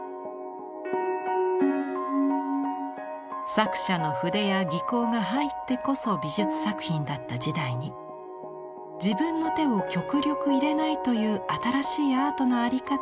作者の筆や技巧が入ってこそ美術作品だった時代に自分の手を極力入れないという新しいアートの在り方を提示したのです。